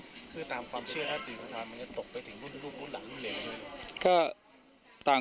คือตามความเชื่อใจที่สามารถมันจะตกไปถึงรุ่นหลังรุ่นเรียน